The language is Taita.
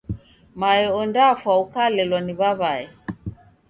Mae ondafwa ukalelwa ni w'aw'ae.